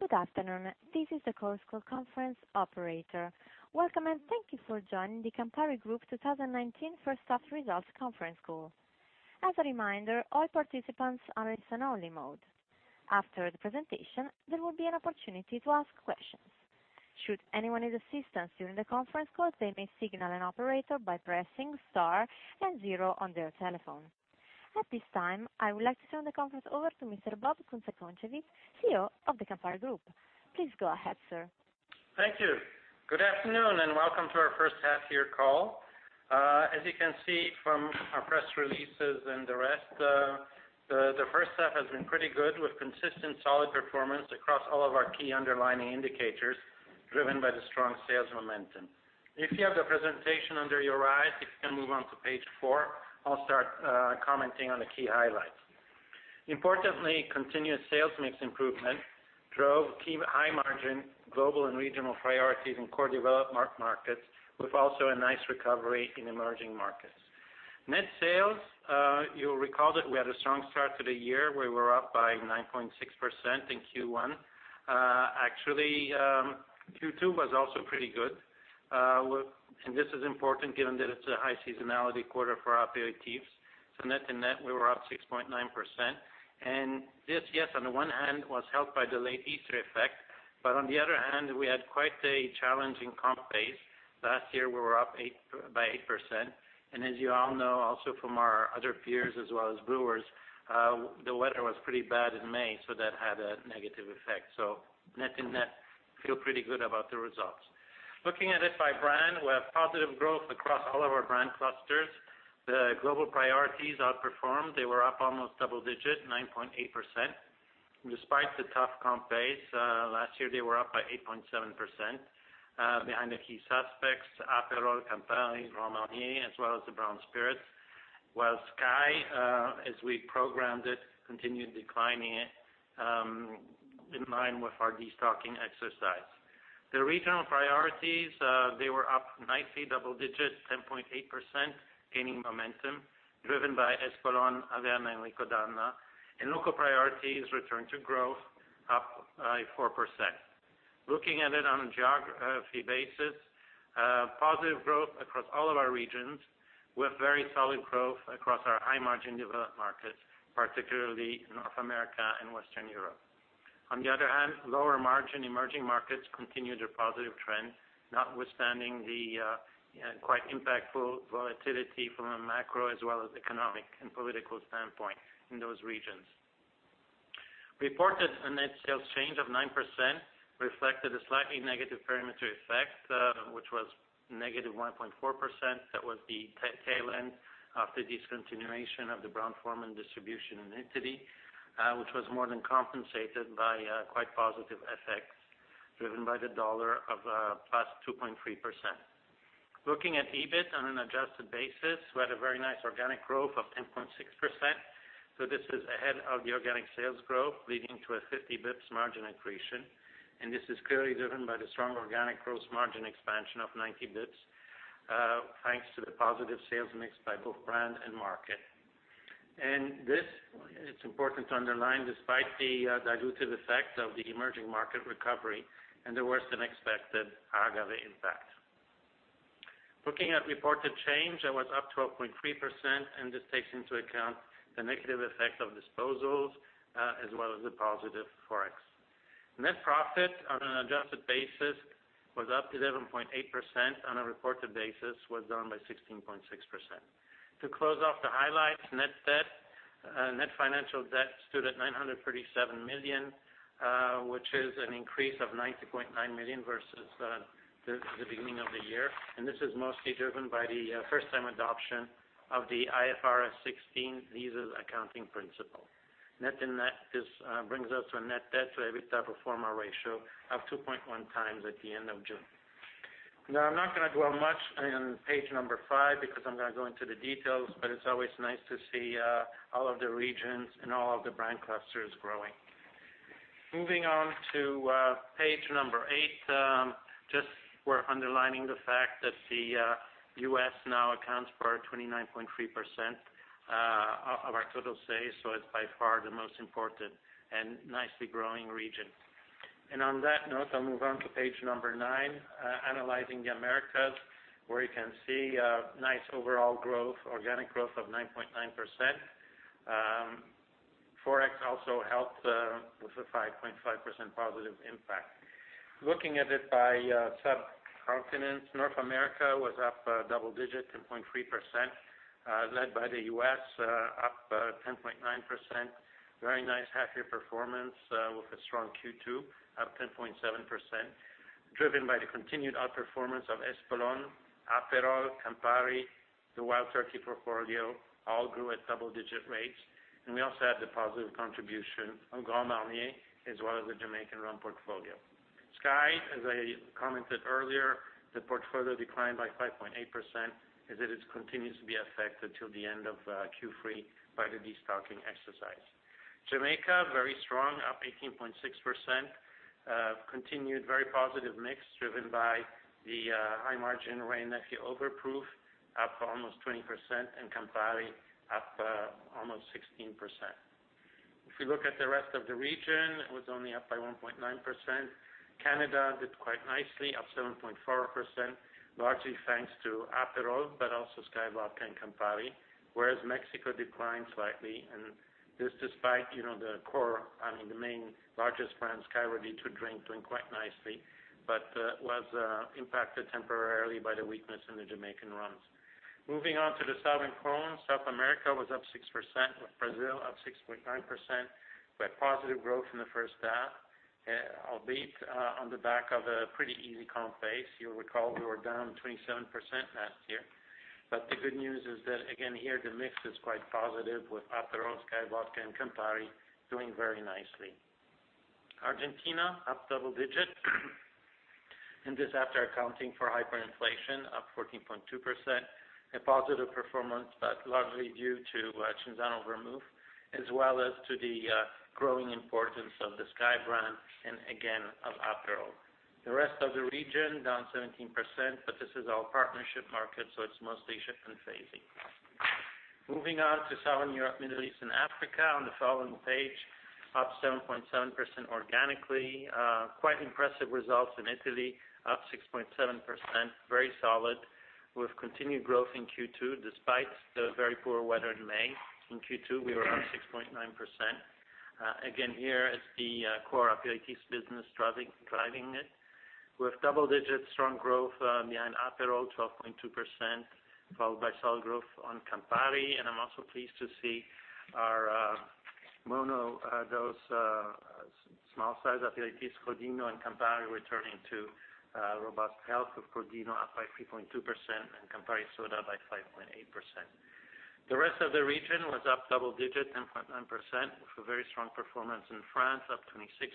Good afternoon. This is the Chorus Call conference operator. Welcome, and thank you for joining the Campari Group 2019 First Half Results conference call. As a reminder, all participants are in listen-only mode. After the presentation, there will be an opportunity to ask questions. Should anyone need assistance during the conference call, they may signal an operator by pressing star and zero on their telephone. At this time, I would like to turn the conference over to Mr. Bob Kunze-Concewitz, CEO of the Campari Group. Please go ahead, Sir. Thank you. Good afternoon, welcome to our first half-year call. As you can see from our press releases and the rest, the first half has been pretty good with consistent solid performance across all of our key underlying indicators, driven by the strong sales momentum. If you have the presentation under your eyes, if you can move on to page four, I'll start commenting on the key highlights. Importantly, continued sales mix improvement drove key high margin global and regional priorities in core developed markets, with also a nice recovery in emerging markets. Net sales, you'll recall that we had a strong start to the year where we're up by 9.6% in Q1. Actually, Q2 was also pretty good, this is important given that it's a high seasonality quarter for aperitifs. Net-to-net, we were up 6.9%. This, yes, on the one hand, was helped by the late Easter effect, but on the other hand, we had quite a challenging comp pace. Last year, we were up by 8%. As you all know, also from our other peers as well as brewers, the weather was pretty bad in May, that had a negative effect. Net-to-net, feel pretty good about the results. Looking at it by brand, we have positive growth across all of our brand clusters. The global priorities outperformed. They were up almost double digit, 9.8%. Despite the tough comp pace, last year they were up by 8.7%. Behind the key suspects, Aperol, Campari, Grand Marnier, as well as the Brown Spirits, while SKYY, as we programmed it, continued declining in line with our destocking exercise. The regional priorities, they were up nicely double digit, 10.8%, gaining momentum driven by Espolòn, Averna, and Licor 43. Local priorities returned to growth up by 4%. Looking at it on a geography basis, positive growth across all of our regions, with very solid growth across our high margin developed markets, particularly North America and Western Europe. On the other hand, lower margin emerging markets continued a positive trend, notwithstanding the quite impactful volatility from a macro as well as economic and political standpoint in those regions. Reported a net sales change of 9%, reflected a slightly negative perimeter effect, which was -1.4%. That was the tail end of the discontinuation of the Brown-Forman distribution entity, which was more than compensated by quite positive FX, driven by the dollar of +2.3%. Looking at EBIT on an adjusted basis, we had a very nice organic growth of 10.6%, so this is ahead of the organic sales growth, leading to a 50 basis points margin accretion, and this is clearly driven by the strong organic gross margin expansion of 90 basis points, thanks to the positive sales mix by both brand and market. This, it's important to underline, despite the dilutive effect of the emerging market recovery, and the worse than expected agave impact. Looking at reported change, that was up 12.3%, and this takes into account the negative effect of disposals, as well as the positive Forex. Net profit on an adjusted basis was up 11.8%, on a reported basis was down by 16.6%. To close off the highlights, net financial debt stood at 937 million, which is an increase of 90.9 million versus the beginning of the year, and this is mostly driven by the first time adoption of the IFRS 16 leases accounting principle. Net-to-net, this brings us to a net debt to EBITDA pro forma ratio of 2.1x at the end of June. I'm not going to dwell much on page number five because I'm going to go into the details, but it's always nice to see all of the regions and all of the brand clusters growing. Moving on to page number eight, we're underlining the fact that the U.S. now accounts for 29.3% of our total sales, so it's by far the most important and nicely growing region. On that note, I'll move on to page nine, analyzing the Americas, where you can see a nice overall growth, organic growth of 9.9%. Forex also helped with a 5.5% positive impact. Looking at it by subcontinent, North America was up double-digit, 10.3%, led by the U.S. up 10.9%. Very nice half-year performance with a strong Q2, up 10.7%, driven by the continued outperformance of Espolón, Aperol, Campari, the Wild Turkey portfolio, all grew at double digit rates. We also had the positive contribution of Grand Marnier as well as the Jamaican rum portfolio. SKYY, as I commented earlier, the portfolio declined by 5.8% as it continues to be affected till the end of Q3 by the destocking exercise. Jamaica, very strong, up 18.6%, continued very positive mix driven by the high margin Wray & Nephew Overproof up almost 20% and Campari up almost 16%. If you look at the rest of the region, it was only up by 1.9%. Canada did quite nicely, up 7.4%, largely thanks to Aperol, but also SKYY Vodka and Campari, whereas Mexico declined slightly. This despite the core, the main largest brand, SKYY Ready to Drink, doing quite nicely, but was impacted temporarily by the weakness in the Jamaican rums. Moving on to the Southern cone. South America was up 6%, with Brazil up 6.9%, with positive growth in the first half, albeit on the back of a pretty easy comp base. You'll recall we were down 27% last year. The good news is that again here, the mix is quite positive with Aperol, SKYY Vodka, and Campari doing very nicely. Argentina, up double digit. This after accounting for hyperinflation, up 14.2%. A positive performance, largely due to Cinzano Vermouth, as well as to the growing importance of the SKYY brand and again of Aperol. The rest of the region down 17%. This is our partnership market, so it's mostly shift and phasing. Moving on to Southern Europe, Middle East and Africa on the following page, up 7.7% organically. Quite impressive results in Italy, up 6.7%, very solid, with continued growth in Q2 despite the very poor weather in May. In Q2, we were up 6.9%. Here it's the core aperitifs business driving it. With double digit strong growth behind Aperol, 12.2%, followed by solid growth on Campari. I'm also pleased to see our mono dose, small size aperitifs, Crodino and Campari returning to robust health, with Crodino up by 3.2% and Campari Soda by 5.8%. The rest of the region was up double digit, 10.9%, with a very strong performance in France, up 26%.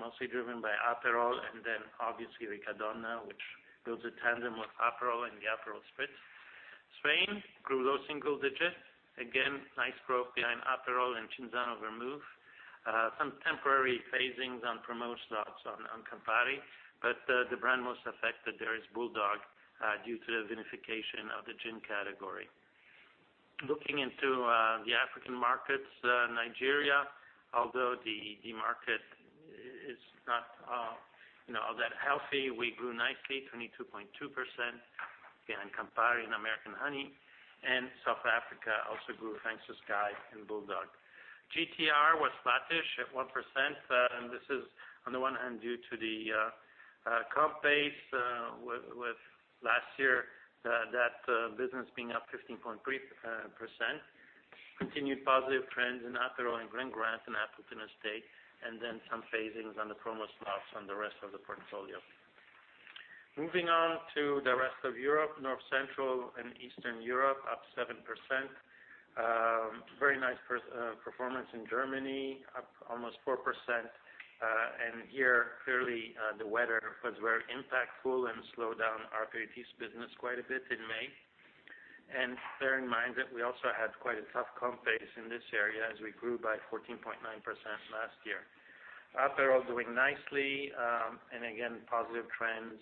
Mostly driven by Aperol and then obviously Riccadonna, which builds a tandem with Aperol and the Aperol Spritz. Spain grew low-single digit. Nice growth behind Aperol and Cinzano Vermouth. Some temporary phasings on promotion slots on Campari, the brand most affected there is BULLDOG, due to the commoditization of the gin category. Looking into the African markets, Nigeria, although the market is not all that healthy, we grew nicely, 22.2%, behind Campari and American Honey. South Africa also grew, thanks to SKYY and BULLDOG. GTR was flattish at 1%, this is on the one hand due to the comp base with last year, that business being up 15.3%. Continued positive trends in Aperol and Glen Grant and Appleton Estate. Some phasings on the promo slots on the rest of the portfolio. Moving on to the rest of Europe, North, Central, and Eastern Europe up 7%. Very nice performance in Germany, up almost 4%. Here, clearly, the weather was very impactful and slowed down our aperitifs business quite a bit in May. Bear in mind that we also had quite a tough comp base in this area as we grew by 14.9% last year. Aperol doing nicely, again, positive trends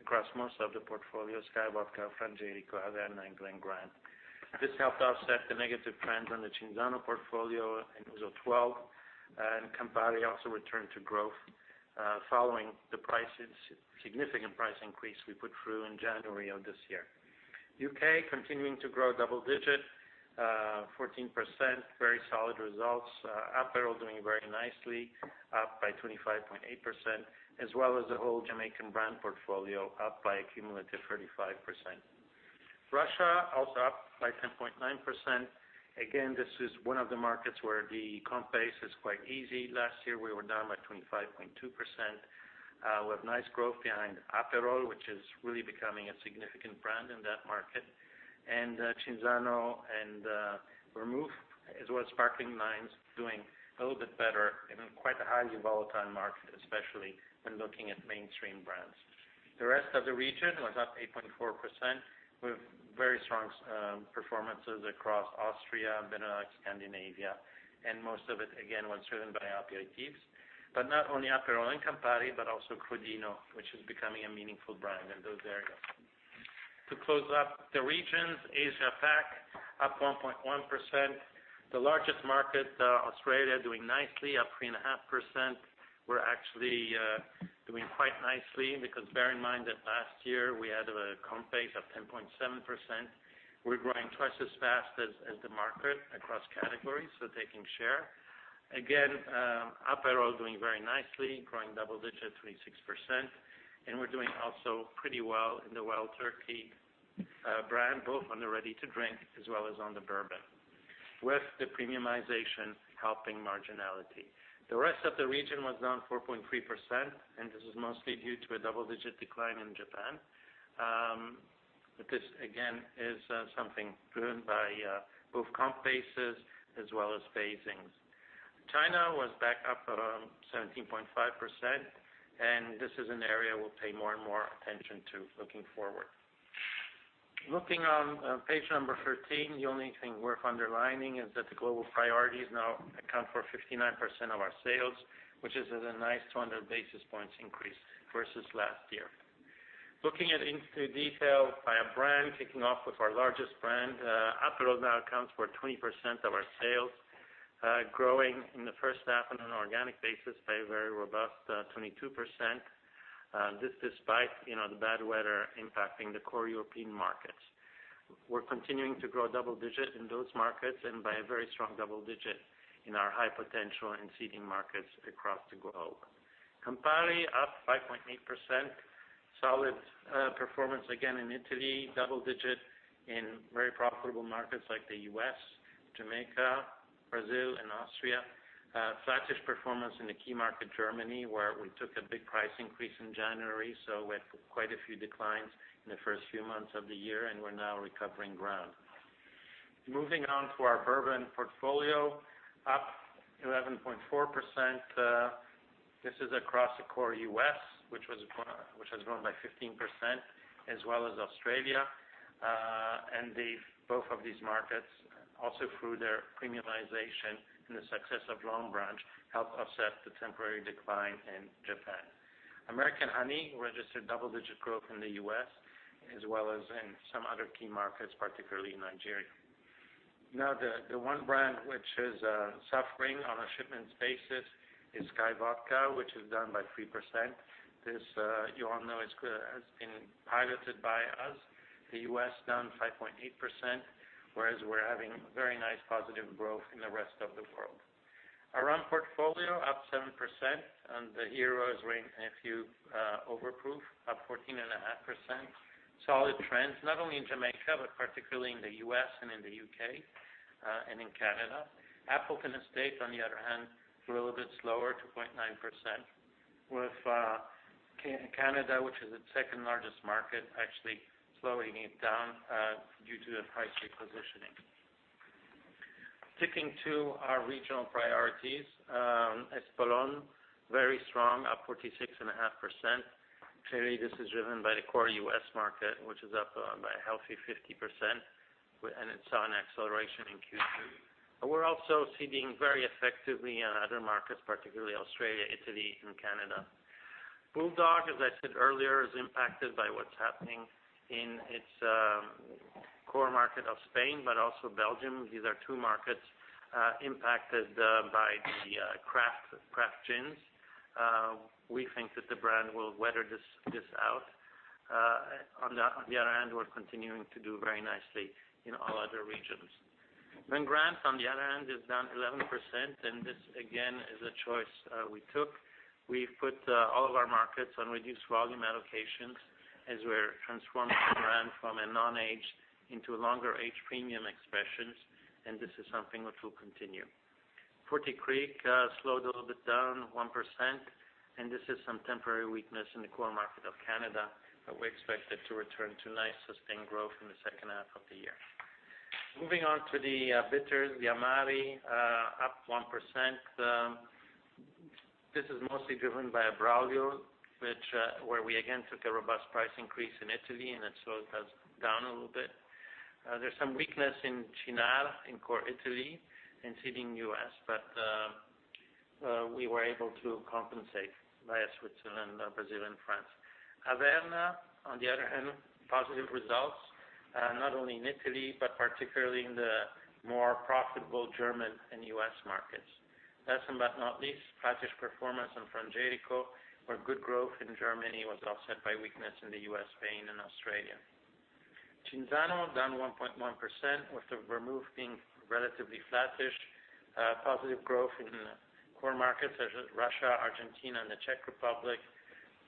across most of the portfolio, SKYY Vodka, Frangelico, Advocaat, and Glen Grant. This helped offset the negative trends on the Cinzano portfolio and Ouzo 12. Campari also returned to growth, following the significant price increase we put through in January of this year. U.K. continuing to grow double digit, 14%, very solid results. Aperol doing very nicely, up by 25.8%, as well as the whole Jamaican brand portfolio up by a cumulative 35%. Russia also up by 10.9%. This is one of the markets where the comp base is quite easy. Last year, we were down by 25.2%. We have nice growth behind Aperol, which is really becoming a significant brand in that market. Cinzano and Vermouth, as well as Sparkling Wines, doing a little bit better in quite a highly volatile market, especially when looking at mainstream brands. The rest of the region was up 8.4%, with very strong performances across Austria, Benelux, Scandinavia, and most of it, again, was driven by aperitifs. Not only Aperol and Campari, but also Crodino, which is becoming a meaningful brand in those areas. To close up the regions, Asia Pac up 1.1%. The largest market, Australia, doing nicely, up 3.5%. We're actually doing quite nicely because bear in mind that last year we had a comp base of 10.7%. We're growing twice as fast as the market across categories, so taking share. Again, Aperol doing very nicely, growing double digit, 26%. We're doing also pretty well in the Wild Turkey brand, both on the Ready to Drink as well as on the bourbon, with the premiumization helping marginality. The rest of the region was down 4.3%. This is mostly due to a double-digit decline in Japan. This again is something driven by both comp bases as well as phasings. China was back up around 17.5%. This is an area we'll pay more and more attention to looking forward. Looking on page number 13, the only thing worth underlining is that the global priorities now account for 59% of our sales, which is a nice 200 basis points increase versus last year. Looking at into detail by a brand, kicking off with our largest brand, Aperol now accounts for 20% of our sales, growing in the first half on an organic basis by a very robust 22%. This despite the bad weather impacting the core European markets. We're continuing to grow double digit in those markets, and by a very strong double digit in our high potential and seeding markets across the globe. Campari up 5.8%, solid performance again in Italy, double digit in very profitable markets like the U.S., Jamaica, Brazil, and Austria. Flattish performance in the key market, Germany, where we took a big price increase in January, so we had quite a few declines in the first few months of the year, and we're now recovering ground. Moving on to our Bourbon portfolio, up 11.4%. This is across the core U.S., which has grown by 15%, as well as Australia. Both of these markets, also through their premiumization and the success of Longbranch, help offset the temporary decline in Japan. American Honey registered double digit growth in the U.S., as well as in some other key markets, particularly Nigeria. Now, the one brand which is suffering on a shipments basis is SKYY Vodka, which is down by 3%. This, you all know, has been piloted by us. The U.S. down 5.8%, whereas we're having very nice positive growth in the rest of the world. Our rum portfolio up 7%, and the heroes being Wray & Nephew Overproof, up 14.5%. Solid trends, not only in Jamaica, but particularly in the U.S. and in the U.K. and in Canada. Appleton Estate, on the other hand, grew a little bit slower, 2.9%, with Canada, which is its second-largest market, actually slowing it down due to a price repositioning. Sticking to our regional priorities. Espolòn, very strong, up 46.5%. Clearly, this is driven by the core U.S. market, which is up by a healthy 50%, and it saw an acceleration in Q2. We're also seeding very effectively in other markets, particularly Australia, Italy, and Canada. BULLDOG, as I said earlier, is impacted by what's happening in its core market of Spain, but also Belgium. These are two markets impacted by the craft gins. We think that the brand will weather this out. On the other hand, we're continuing to do very nicely in all other regions. Glen Grant, on the other hand, is down 11%, and this again is a choice we took. We've put all of our markets on reduced volume allocations as we're transforming the brand from a non-aged into longer-aged premium expressions, and this is something which will continue. Forty Creek slowed a little bit down, 1%, and this is some temporary weakness in the core market of Canada, but we expect it to return to nice sustained growth in the second half of the year. Moving on to the bitters, the Amari, up 1%. This is mostly driven by Braulio, where we again took a robust price increase in Italy, and it slowed us down a little bit. There's some weakness in Cynar in core Italy and seeding U.S., we were able to compensate via Switzerland, Brazil, and France. Averna, on the other hand, positive results, not only in Italy, particularly in the more profitable German and U.S. markets. Last but not least, flattish performance on Frangelico, where good growth in Germany was offset by weakness in the U.S., Spain, and Australia. Cinzano down 1.1% with the Vermouth being relatively flattish. Positive growth in core markets such as Russia, Argentina, and the Czech Republic,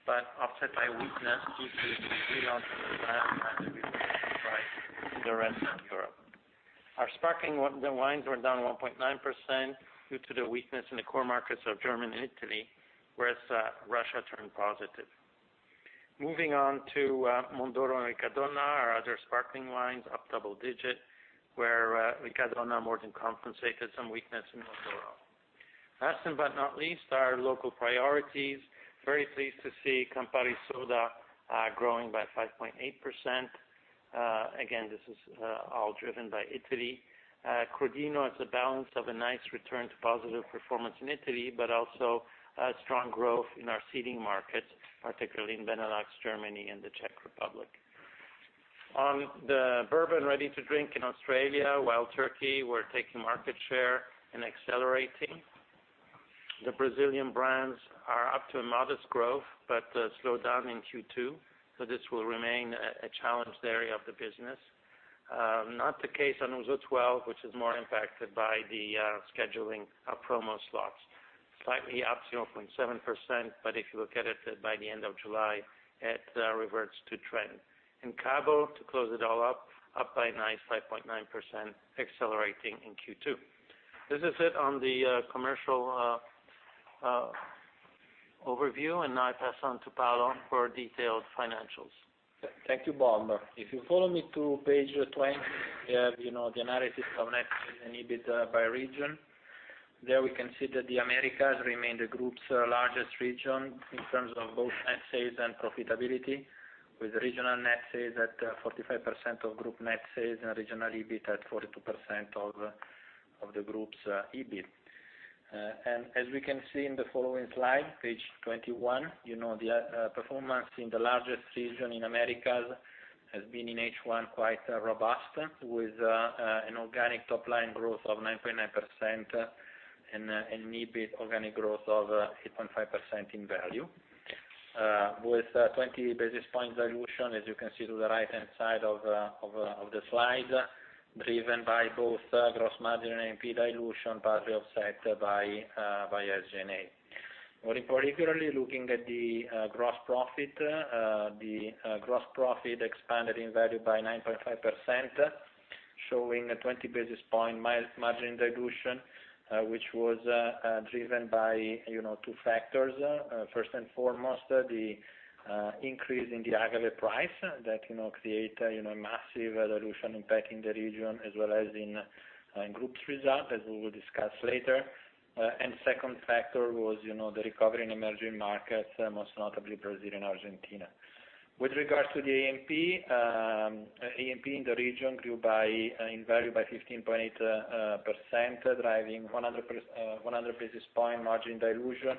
offset by weakness due to the relaunch of the brand and the repositioning price in the rest of Europe. Our Sparkling Wines were down 1.9% due to the weakness in the core markets of Germany and Italy, whereas Russia turned positive. Moving on to Mondoro and Riccadonna, our other sparkling wines, up double-digit, where Riccadonna more than compensated some weakness in Mondoro. Last but not least, our local priorities. Very pleased to see Campari Soda growing by 5.8%. Again, this is all driven by Italy. Crodino has a balance of a nice return to positive performance in Italy, but also strong growth in our seeding markets, particularly in Benelux, Germany, and the Czech Republic. On the Bourbon Ready to Drink in Australia, Wild Turkey, we're taking market share and accelerating. The Brazilian brands are up to a modest growth, but slowed down in Q2, so this will remain a challenged area of the business. Not the case on Ouzo 12, which is more impacted by the scheduling of promo slots. Slightly up 0.7%, but if you look at it by the end of July, it reverts to trend. Cabo, to close it all up by a nice 5.9%, accelerating in Q2. This is it on the commercial overview, and now I pass on to Paolo for detailed financials. Thank you, Bob. If you follow me to page 20, you have the analysis of net sales and EBIT by region. There we can see that the Americas remained the group's largest region in terms of both net sales and profitability, with regional net sales at 45% of group net sales and regional EBIT at 42% of the group's EBIT. As we can see in the following slide, page 21, the performance in the largest region in Americas has been, in H1, quite robust with an organic top line growth of 9.9% and an EBIT organic growth of 8.5% in value. With 20 basis point dilution, as you can see to the right-hand side of the slide, driven by both gross margin and A&P dilution, partially offset by SG&A. More particularly, looking at the gross profit, the gross profit expanded in value by 9.5%, showing a 20 basis point margin dilution, which was driven by two factors. First and foremost, the increase in the agave price that create a massive dilution impact in the region, as well as in group's result, as we will discuss later. Second factor was, the recovery in emerging markets, most notably Brazil and Argentina. With regards to the A&P, A&P in the region grew in value by 15.8%, driving 100 basis point margin dilution,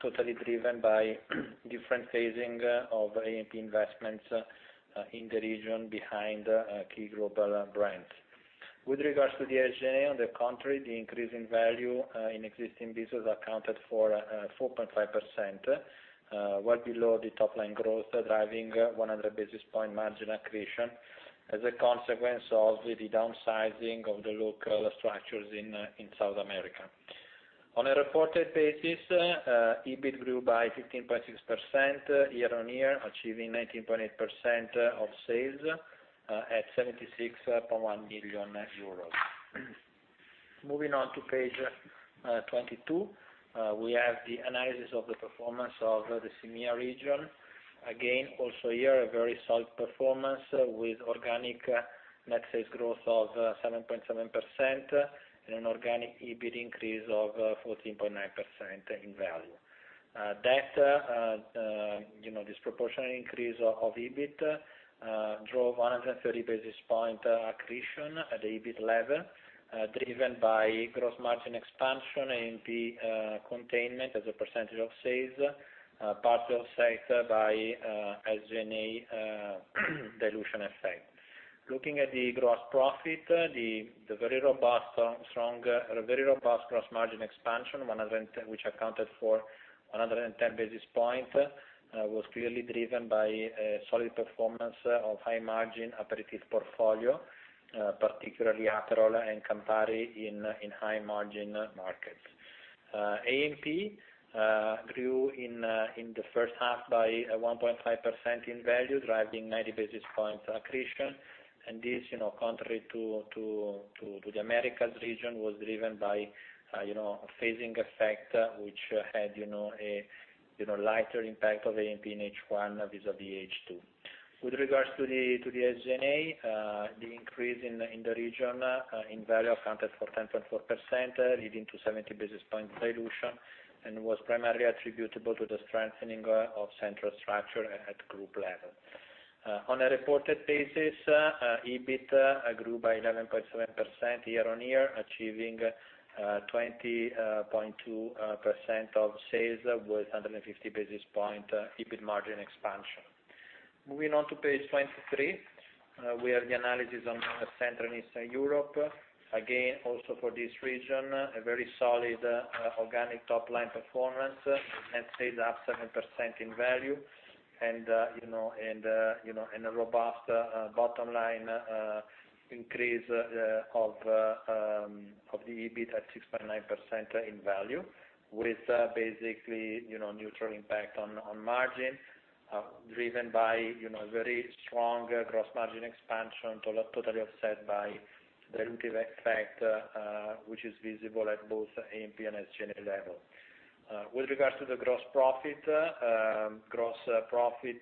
totally driven by different phasing of A&P investments in the region behind key global brands. With regards to the SG&A, on the contrary, the increase in value in existing business accounted for 4.5%, well below the top-line growth, driving 100 basis point margin accretion as a consequence of the downsizing of the local structures in South America. On a reported basis, EBIT grew by 15.6% year-on-year, achieving 19.8% of sales at 76.1 million euros. Moving on to page 22, we have the analysis of the performance of the EMEA region. Again, also here, a very solid performance with organic net sales growth of 7.7% and an organic EBIT increase of 14.9% in value. This proportionate increase of EBIT drove 130 basis points accretion at the EBIT level, driven by gross margin expansion, A&P containment as a percentage of sales, partially offset by SG&A dilution effect. Looking at the gross profit, the very robust gross margin expansion, which accounted for 110 basis points, was clearly driven by a solid performance of high-margin aperitif portfolio, particularly Aperol and Campari in high-margin markets. A&P grew in the first half by 1.5% in value, driving 90 basis points accretion. This, contrary to the Americas region, was driven by a phasing effect, which had a lighter impact of A&P in H1 vis-à-vis H2. With regards to the SG&A, the increase in the region in value accounted for 10.4%, leading to 70 basis point dilution, and was primarily attributable to the strengthening of central structure at group level. On a reported basis, EBIT grew by 11.7% year-on-year, achieving 20.2% of sales with 150 basis point EBIT margin expansion. Moving on to page 23, we have the analysis on Central & Eastern Europe. Also for this region, a very solid organic top-line performance, net sales up 7% in value and a robust bottom-line increase of the EBIT at 6.9% in value, with basically neutral impact on margin driven by very strong gross margin expansion, totally offset by dilutive effect, which is visible at both A&P and SG&A level. With regards to the gross profit, gross profit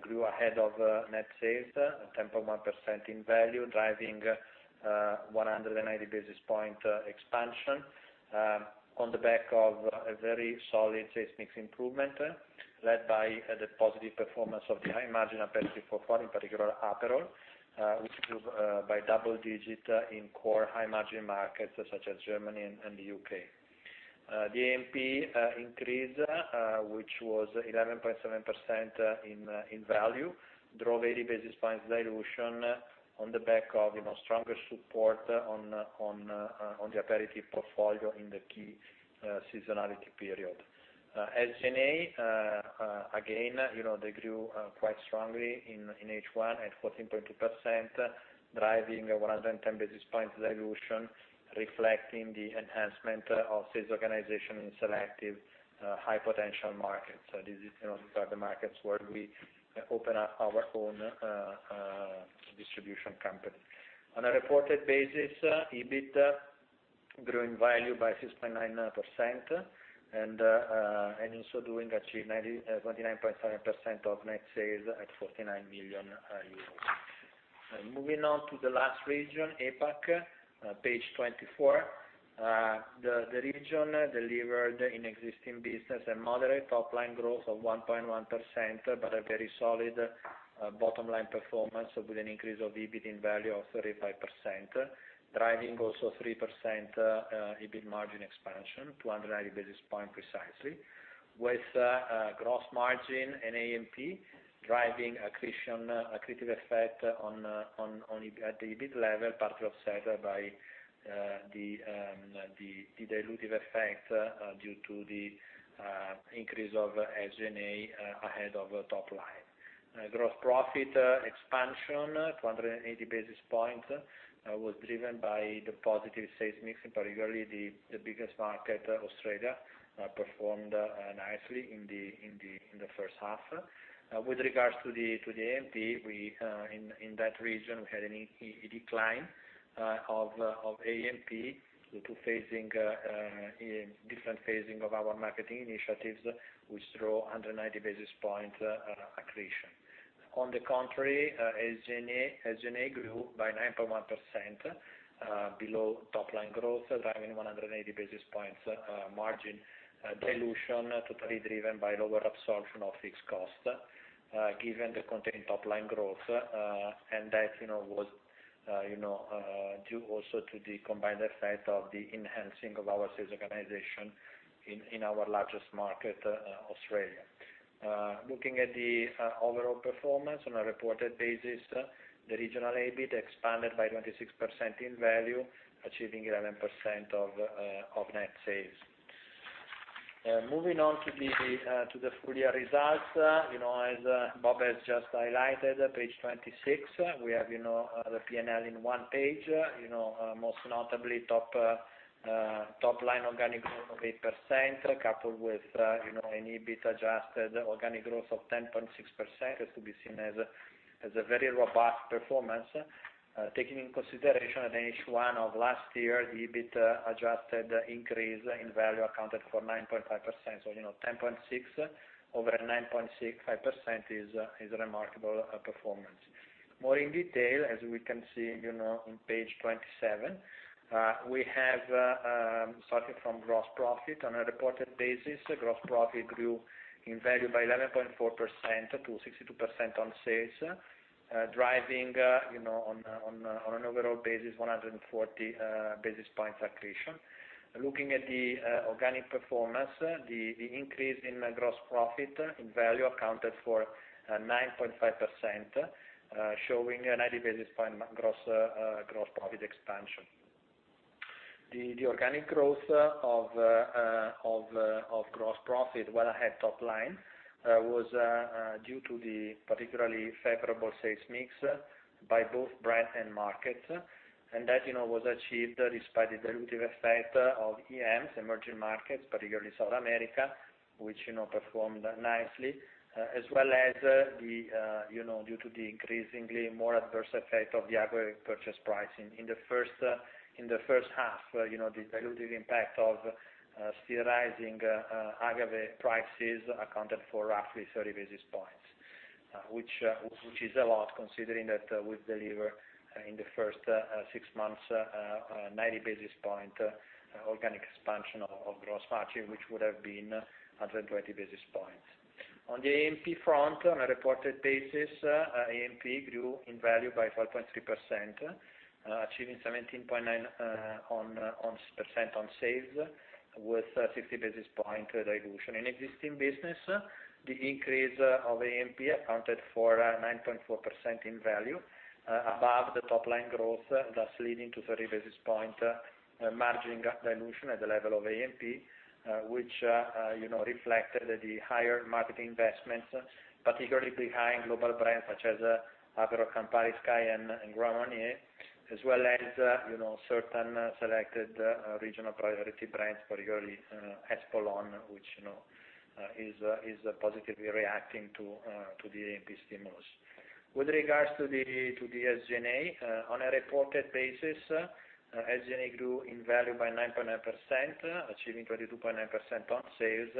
grew ahead of net sales, 10.1% in value, driving 190 basis point expansion on the back of a very solid sales mix improvement led by the positive performance of the high-margin aperitif portfolio, in particular Aperol, which grew by double-digit in core high-margin markets such as Germany and the U.K. The A&P increase, which was 11.7% in value, drove 80 basis points dilution on the back of stronger support on the aperitif portfolio in the key seasonality period. SG&A, again, they grew quite strongly in H1 at 14.2%, driving 110 basis point dilution, reflecting the enhancement of sales organization in selective high-potential markets. These are the markets where we open up our own distribution company. On a reported basis, EBIT grew in value by 6.9% and also doing achieve 29.7% of net sales at 49 million euros. Moving on to the last region, APAC, page 24. The region delivered in existing business a moderate top line growth of 1.1%, but a very solid bottom line performance with an increase of EBIT in value of 35%, driving also 3% EBIT margin expansion, 290 basis points precisely, with gross margin and A&P driving accretive effect at the EBIT level, partly offset by the dilutive effect due to the increase of SG&A ahead of top line. Gross profit expansion, 280 basis points, was driven by the positive sales mix, in particular the biggest market, Australia, performed nicely in the first half. With regards to the A&P, in that region, we had a decline of A&P due to different phasing of our marketing initiatives, which drove 190 basis points accretion. On the contrary, SG&A grew by 9.1% below top line growth, driving 180 basis points margin dilution totally driven by lower absorption of fixed cost, given the contained top line growth. That was due also to the combined effect of the enhancing of our sales organization in our largest market, Australia. Looking at the overall performance on a reported basis, the regional EBIT expanded by 26% in value, achieving 11% of net sales. Moving on to the full year results, as Bob has just highlighted, page 26, we have the P&L in one page. Most notably, top line organic growth of 8%, coupled with an EBIT adjusted organic growth of 10.6%, is to be seen as a very robust performance. Taking into consideration H1 of last year, the EBIT adjusted increase in value accounted for 9.5%. 10.6% over 9.5% is a remarkable performance. More in detail, as we can see on page 27, we have, starting from gross profit. On a reported basis, gross profit grew in value by 11.4% to 62% on sales, driving on an overall basis, 140 basis points accretion. Looking at the organic performance, the increase in gross profit in value accounted for 9.5%, showing a 90 basis point gross profit expansion. The organic growth of gross profit well ahead top line, was due to the particularly favorable sales mix by both brand and market, that was achieved despite the dilutive effect of EMs, emerging markets, particularly South America, which performed nicely. As well as due to the increasingly more adverse effect of the aggregate purchase pricing. In the first half, the dilutive impact of still rising agave prices accounted for roughly 30 basis points, which is a lot considering that we deliver in the first six months, a 90 basis point organic expansion of gross margin, which would have been 120 basis points. On the A&P front, on a reported basis, A&P grew in value by 5.3%, achieving 17.9% on sales with 60 basis point dilution. In existing business, the increase of A&P accounted for 9.4% in value above the top line growth, thus leading to 30 basis point margin dilution at the level of A&P, which reflected the higher marketing investments, particularly behind global brands such as Aperol, Campari, SKYY and Grand Marnier, as well as certain selected regional priority brands, particularly Espolòn, which is positively reacting to the A&P stimulus. With regards to the SG&A, on a reported basis, SG&A grew in value by 9.9%, achieving 22.9% on sales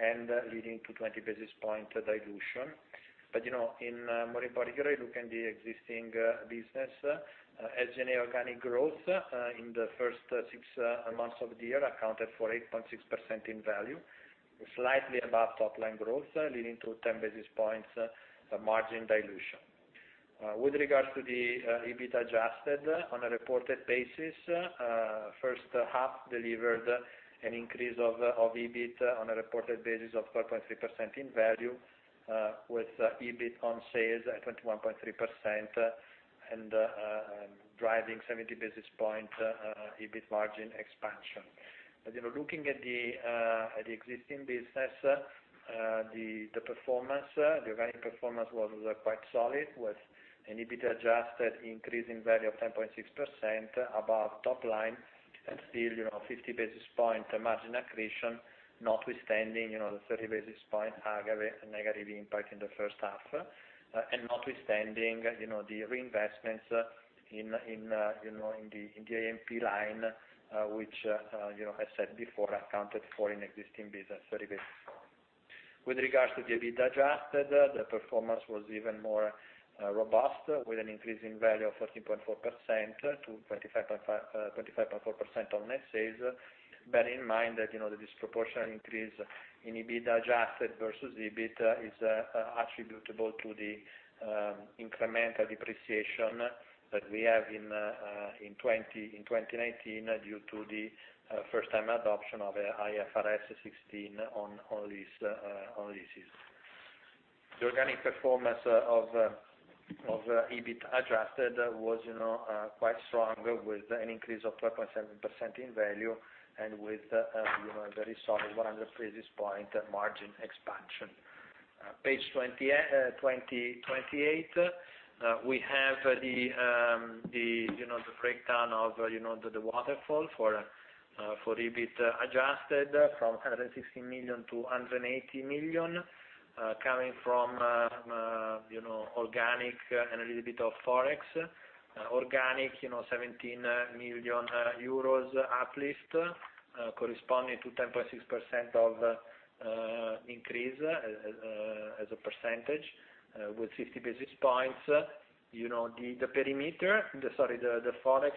and leading to 20 basis point dilution. More in particular, looking at the existing business, SG&A organic growth in the first six months of the year accounted for 8.6% in value, slightly above top line growth, leading to 10 basis points margin dilution. With regards to the EBIT adjusted on a reported basis, first half delivered an increase of EBIT on a reported basis of 4.3% in value, with EBIT on sales at 21.3% and driving 70 basis point EBIT margin expansion. Looking at the existing business, the organic performance was quite solid with an EBIT adjusted increase in value of 10.6% above top line and still 50 basis point margin accretion, notwithstanding the 30 basis point aggregate negative impact in the first half, and notwithstanding the reinvestments in the A&P line, which as said before, accounted for in existing business, 30 basis points. With regards to the EBITDA adjusted, the performance was even more robust, with an increase in value of 14.4%-25.4% on net sales. Bear in mind that the disproportionate increase in EBITDA adjusted versus EBIT is attributable to the incremental depreciation that we have in 2019 due to the first-time adoption of IFRS 16 on leases. The organic performance of EBIT adjusted was quite strong, with an increase of 12.7% in value and with a very solid 100 basis point margin expansion. Page 28. We have the breakdown of the waterfall for EBIT adjusted from 160 million-180 million, coming from organic and a little bit of Forex. Organic 17 million euros uplift, corresponding to 10.6% of increase as a percentage with 50 basis points. The Forex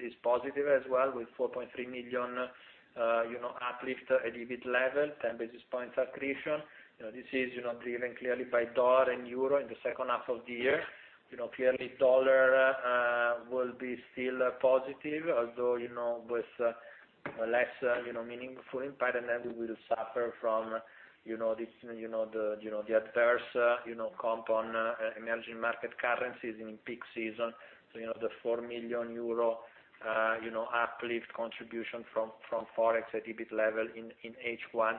is positive as well with 4.3 million uplift at EBIT level, 10 basis points accretion. This is driven by U.S. dollar and euro in the second half of the year. U.S. dollar will be still positive, although, with a less meaningful impact, and then we will suffer from the adverse compound emerging market currencies in peak season. The 4 million euro uplift contribution from Forex at EBIT level in H1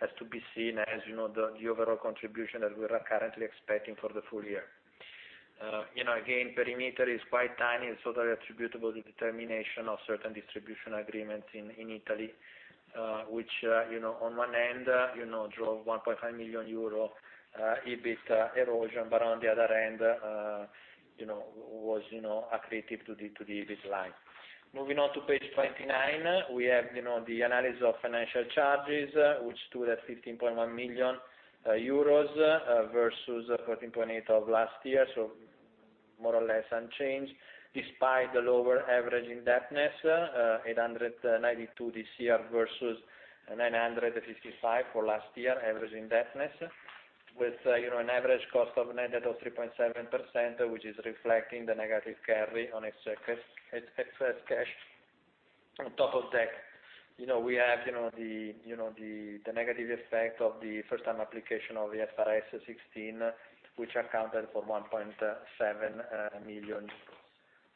has to be seen as the overall contribution that we are currently expecting for the full year. Again, perimeter is quite tiny and solely attributable to the termination of certain distribution agreements in Italy, which on one end drove 1.5 million euro EBIT erosion. On the other end, was accretive to the EBIT line. Moving on to page 29. We have the analysis of financial charges, which stood at 15.1 million euros versus 14.8 million of last year, so more or less unchanged, despite the lower average indebtedness, 892 million this year versus 955 million for last year average indebtedness, with an average cost of net debt of 3.7%, which is reflecting the negative carry on excess cash. On top of that, we have the negative effect of the first-time application of the IFRS 16, which accounted for 1.7 million.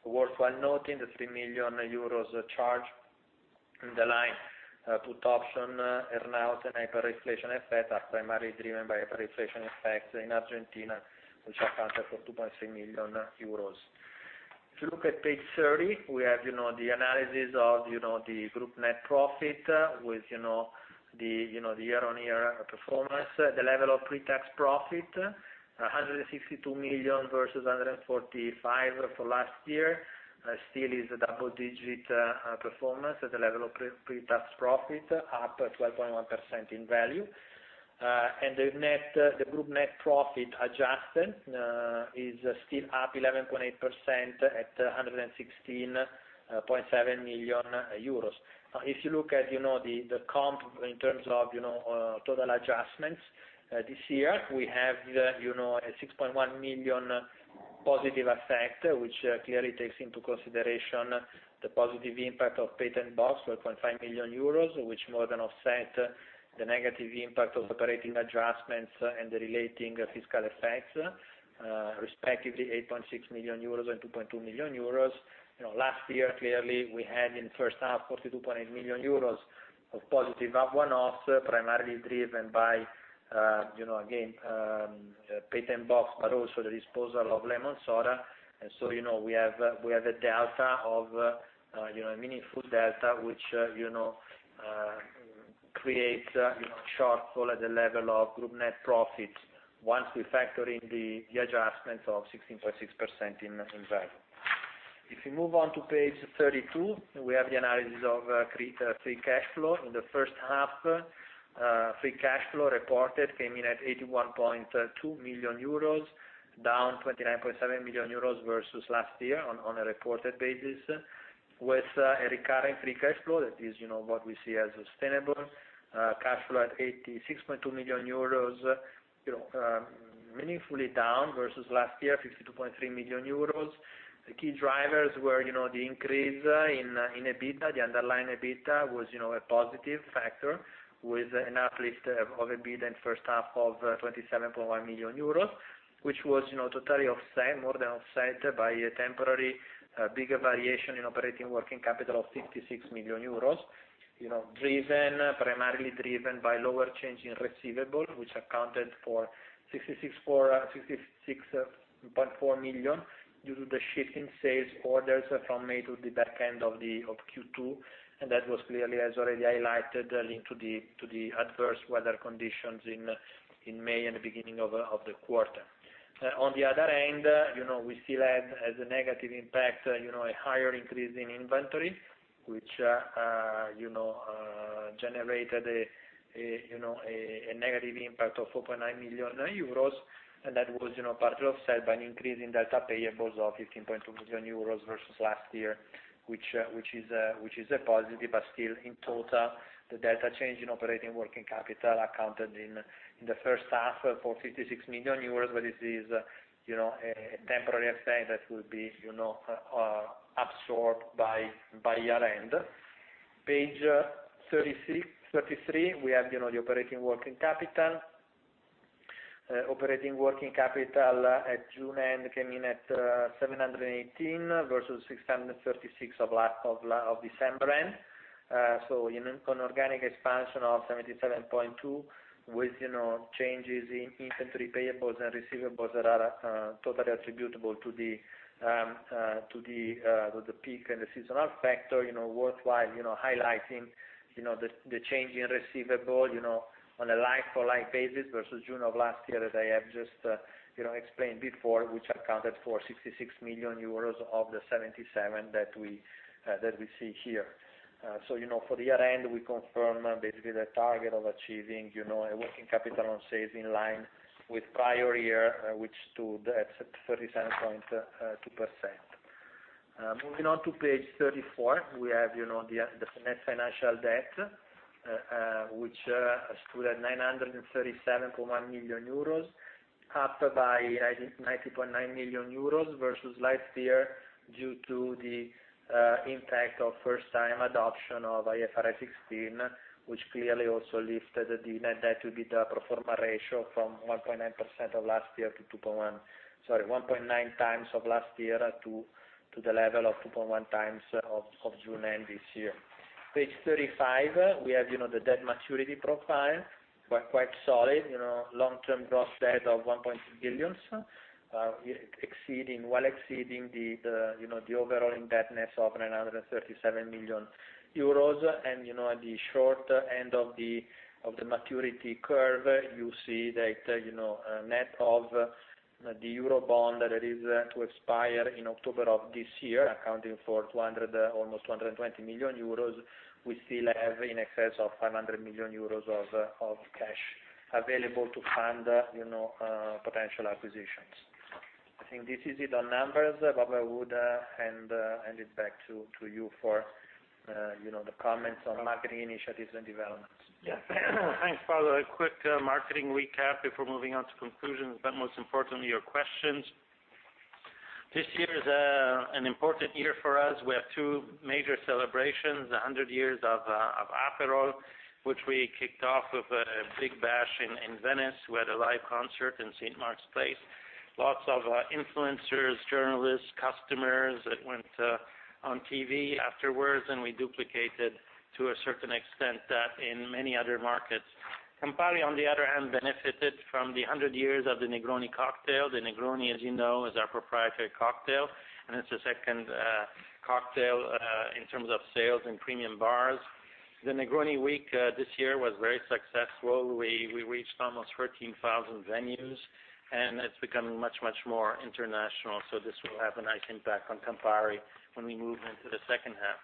Worthwhile noting the 3 million euros charge in the line put option earnout and hyperinflation effect are primarily driven by hyperinflation effects in Argentina, which accounted for 2.3 million euros. If you look at page 30, we have the analysis of the group net profit with the year-on-year performance. The level of pre-tax profit, 162 million versus 145 million for last year, still is a double digit performance at the level of pre-tax profit, up 12.1% in value. The group net profit adjusted is still up 11.8% at 116.7 million euros. If you look at the comp in terms of total adjustments this year, we have a 6.1 million positive effect, which clearly takes into consideration the positive impact of Patent Box, 1.5 million euros. Which more than offset the negative impact of operating adjustments and the relating fiscal effects, respectively 8.6 million euros and 2.2 million euros. Last year, clearly, we had in the first half 42.8 million euros of positive one-offs, primarily driven by, again, Patent Box, but also the disposal of Lemonsoda. We have a meaningful delta, which creates a shortfall at the level of group net profits, once we factor in the adjustments of 16.6% in value. If we move on to page 32, we have the analysis of free cash flow. In the first half, free cash flow reported came in at 81.2 million euros, down 29.7 million euros versus last year on a reported basis, with a recurring free cash flow, that is what we see as sustainable cash flow at 86.2 million euros, meaningfully down versus last year, 52.3 million euros. The key drivers were the increase in EBITDA. The underlying EBITDA was a positive factor with an uplift of EBITDA in the first half of 27.1 million euros, which was totally more than offset by a temporary bigger variation in operating working capital of 66 million euros. Primarily driven by lower change in receivable, which accounted for 66.4 million due to the shift in sales orders from May to the back end of Q2. That was clearly, as already highlighted, linked to the adverse weather conditions in May and the beginning of the quarter. On the other end, we still had as a negative impact, a higher increase in inventory, which generated a negative impact of 4.9 million euros, that was partly offset by an increase in delta payables of 15.2 million euros versus last year, which is a positive, still in total, the delta change in operating working capital accounted in the first half for 56 million euros. This is a temporary effect that will be absorbed by year-end. Page 33, we have the operating working capital. Operating working capital at June end came in at 718 versus 636 of December end. An organic expansion of 77.2 million with changes in inventory payables and receivables that are totally attributable to the peak and the seasonal factor. Worthwhile highlighting the change in receivable, on a like-for-like basis versus June of last year, as I have just explained before, which accounted for 66 million euros of the 77 million that we see here. For the year-end, we confirm basically the target of achieving a working capital on sales in line with prior year, which stood at 37.2%. Moving on to page 34, we have the net financial debt, which stood at 937.1 million euros, up by 90.9 million euros versus last year due to the impact of first-time adoption of IFRS 16, which clearly also lifted the net debt to EBITDA pro forma ratio from 1.9% of last year to 2.1%. Sorry, 1.9x of last year to the level of 2.1x of June end this year. Page 35, we have the debt maturity profile, quite solid, long term gross debt of 1.2 billion, while exceeding the overall indebtedness of 937 million euros. At the short end of the maturity curve, you see that net of the Eurobond that is to expire in October of this year, accounting for almost 220 million euros, we still have in excess of 500 million euros of cash available to fund potential acquisitions. I think this is it on numbers. Bob, I would hand it back to you for the comments on marketing initiatives and developments. Thanks, Paolo. A quick marketing recap before moving on to conclusions, most importantly, your questions. This year is an important year for us. We have two major celebrations, 100 years of Aperol, which we kicked off with a big bash in Venice. We had a live concert in St. Mark's Square. Lots of influencers, journalists, customers that went on TV afterwards, and we duplicated to a certain extent that in many other markets. Campari, on the other hand, benefited from the 100 years of the Negroni cocktail. The Negroni, as you know, is our proprietary cocktail, and it's the second cocktail, in terms of sales in premium bars. The Negroni Week this year was very successful. We reached almost 13,000 venues, and it's becoming much, much more international, so this will have a nice impact on Campari when we move into the second half.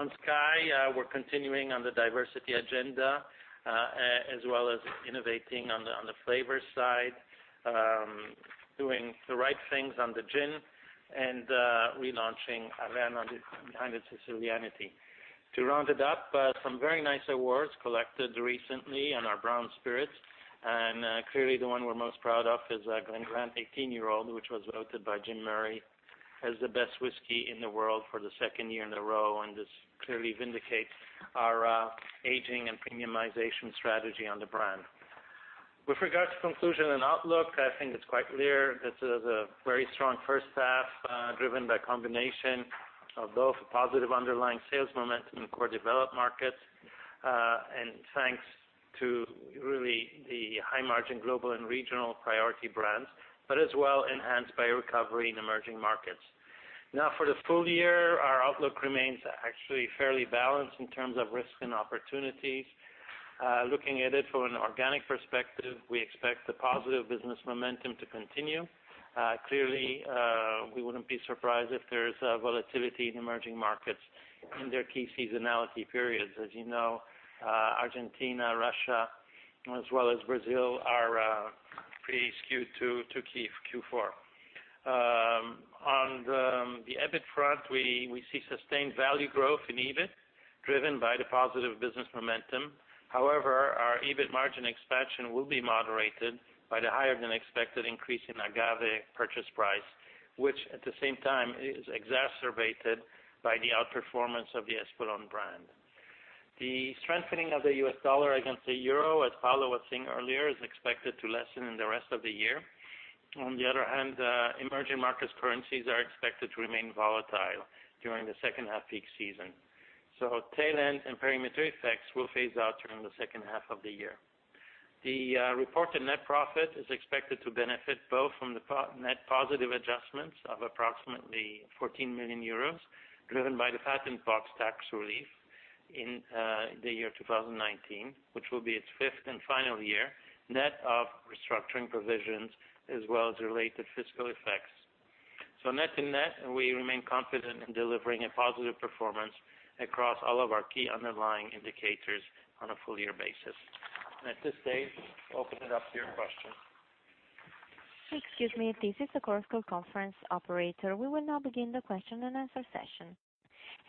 On SKYY, we're continuing on the diversity agenda, as well as innovating on the flavor side, doing the right things on the gin, and relaunching Averna behind its Sicilianity. To round it up, some very nice awards collected recently on our brown spirits, and clearly the one we're most proud of is Glen Grant 18 Year Old, which was voted by Jim Murray as the best whisky in the world for the second year in a row, and this clearly vindicates our aging and premiumization strategy on the brand. With regards to conclusion and outlook, I think it's quite clear this is a very strong first half, driven by combination of both positive underlying sales momentum in core developed markets, and thanks to really the high margin global and regional priority brands, but as well enhanced by recovery in emerging markets. For the full year, our outlook remains actually fairly balanced in terms of risk and opportunities. Looking at it from an organic perspective, we expect the positive business momentum to continue. Clearly, we wouldn't be surprised if there's volatility in emerging markets in their key seasonality periods. As you know, Argentina, Russia, as well as Brazil are pretty skewed to Q4. On the EBIT front, we see sustained value growth in EBIT driven by the positive business momentum. Our EBIT margin expansion will be moderated by the higher than expected increase in agave purchase price, which at the same time is exacerbated by the outperformance of the Espolòn brand. The strengthening of the U.S. dollar against the euro, as Paolo was saying earlier, is expected to lessen in the rest of the year. On the other hand, emerging markets' currencies are expected to remain volatile during the second half peak season. Tail end and perimeter effects will phase out during the second half of the year. The reported net profit is expected to benefit both from the net positive adjustments of approximately 14 million euros, driven by the Patent Box tax relief in the year 2019, which will be its fifth and final year, net of restructuring provisions as well as related fiscal effects. Net to net, we remain confident in delivering a positive performance across all of our key underlying indicators on a full year basis. At this stage, open it up to your questions. Excuse me, this is the Chorus Call conference operator. We will now begin the question and answer session.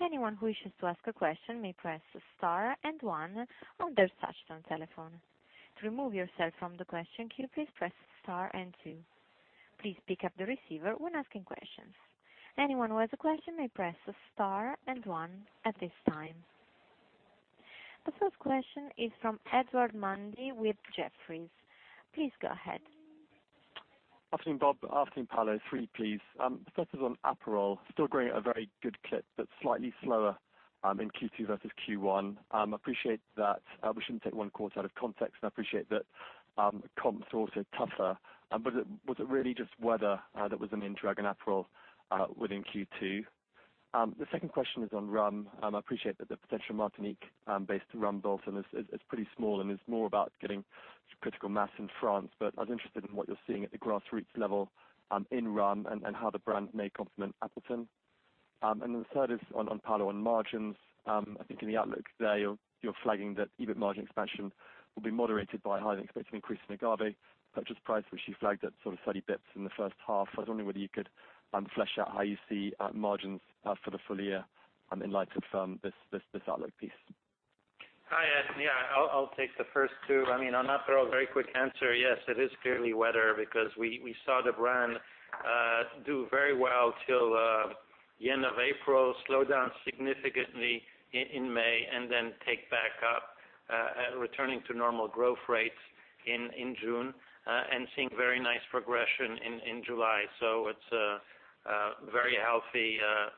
Anyone who wishes to ask a question may press star and one on their touch-tone telephone. To remove yourself from the question queue, please press star and two. Please pick up the receiver when asking questions. Anyone who has a question may press star and one at this time. The first question is from Edward Mundy with Jefferies. Please go ahead. Afternoon, Bob. Afternoon, Paolo. Three, please. First is on Aperol, still growing at a very good clip, but slightly slower in Q2 versus Q1. I appreciate that we shouldn't take one quarter out of context, and I appreciate that comps are also tougher. Was it really just weather that was a main drag on Aperol within Q2? The second question is on rum. I appreciate that the potential Martinique-based rum business is pretty small and is more about getting critical mass in France, but I was interested in what you're seeing at the grassroots level in rum and how the brand may complement Appleton. Then the third is on, Paolo, on margins. I think in the outlook today, you're flagging that EBIT margin expansion will be moderated by higher than expected increases in agave purchase price, which you flagged at sort of 30 basis points in the first half. I was wondering whether you could flesh out how you see margins for the full year, enlightened from this outlook piece? Hi, Ed. Yeah, I'll take the first two. On Aperol, very quick answer, yes, it is clearly weather, because we saw the brand do very well till the end of April, slow down significantly in May, and then pick back up, returning to normal growth rates in June, and seeing very nice progression in July. It's very healthy,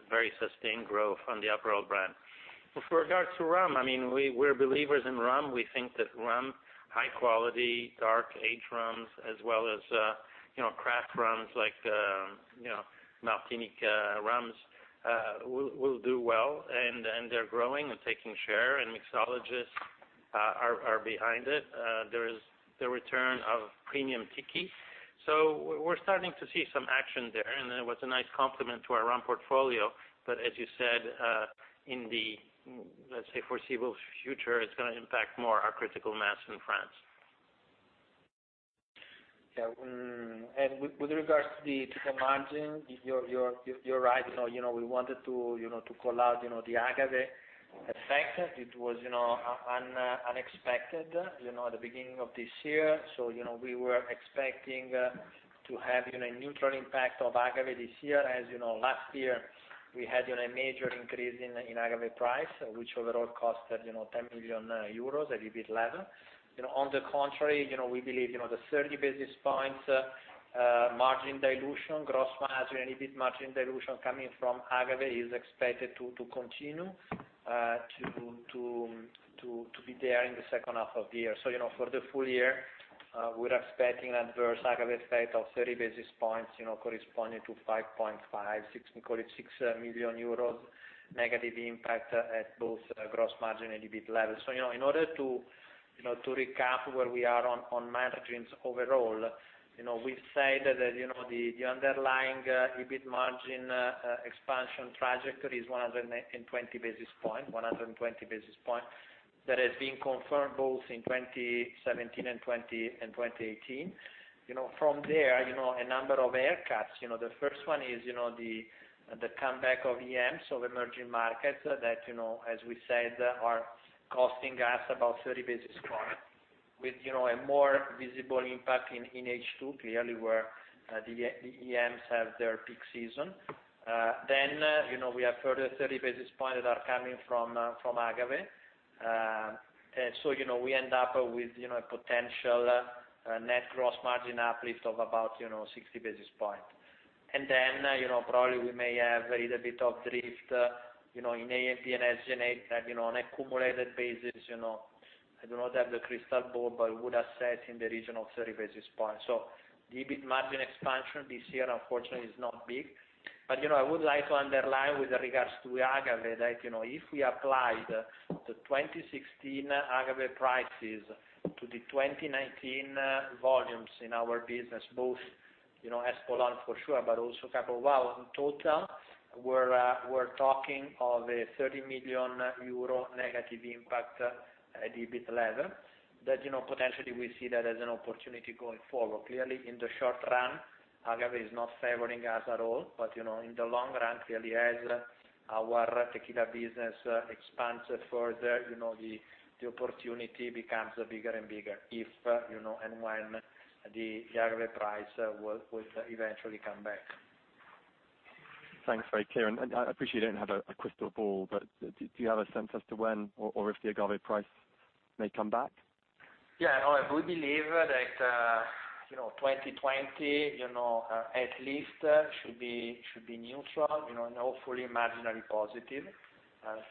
very sustained growth on the Aperol brand. With regards to rum, we're believers in rum. We think that rum, high quality, dark aged rums, as well as craft rums like Martinique rums will do well, and they're growing and taking share, and mixologists are behind it. There is the return of premium tiki. We're starting to see some action there, and it was a nice complement to our rum portfolio. As you said, in the foreseeable future, it's going to impact more our critical mass in France. With regards to the margin, you're right. We wanted to call out the agave effect. It was unexpected at the beginning of this year, we were expecting to have a neutral impact of agave this year. As you know, last year, we had a major increase in agave price, which overall cost 10 million euros at EBIT level. On the contrary, we believe the 30 basis points margin dilution, gross margin, EBIT margin dilution coming from agave is expected to continue to be there in the second half of the year. For the full year, we're expecting adverse agave effect of 30 basis points, corresponding to 5.5 million euros, call it 6 million euros negative impact at both gross margin and EBIT level. In order to recap where we are on margins overall, we've said that the underlying EBIT margin expansion trajectory is 120 basis points. That has been confirmed both in 2017 and 2018. From there, a number of haircuts. The first one is the comeback of EMs, so emerging markets that, as we said, are costing us about 30 basis points with a more visible impact in H2, clearly, where the EMs have their peak season. We have further 30 basis points that are coming from agave. We end up with a potential net gross margin uplift of about 60 basis points. Probably we may have a little bit of drift in A&P and SG&A on accumulated basis. I do not have the crystal ball, but I would assess in the region of 30 basis points. The EBIT margin expansion this year, unfortunately, is not big. I would like to underline with regards to agave that if we applied the 2016 agave prices to the 2019 volumes in our business, both Espolòn for sure, but also Cabo Wabo in total, we are talking of a 30 million euro negative impact at EBIT level that potentially we see that as an opportunity going forward. Clearly, in the short run, agave is not favoring us at all. In the long run, clearly as our tequila business expands further, the opportunity becomes bigger and bigger if and when the agave price will eventually come back. Thanks. Very clear. I appreciate you don't have a crystal ball, but do you have a sense as to when or if the agave price may come back? We believe that 2020 at least should be neutral, and hopefully marginally positive.